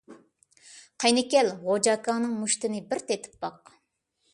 قېنى كەل، غوجا ئاكاڭنىڭ مۇشتتىنى بىر تېتىپ باق!